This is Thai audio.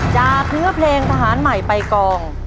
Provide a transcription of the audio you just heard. จากเนื้อเพลงทหารใหม่ไปกอง